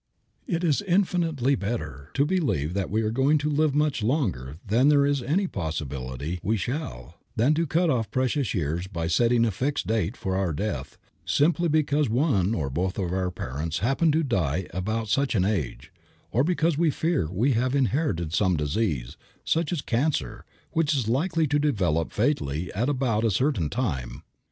It is infinitely better to believe that we are going to live much longer than there is any probability we shall than to cut off precious years by setting a fixed date for our death simply because one or both of our parents happened to die about such an age, or because we fear we have inherited some disease, such as cancer, which is likely to develop fatally at about a certain time.